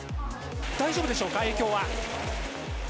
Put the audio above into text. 大丈夫でしょうか、影響は。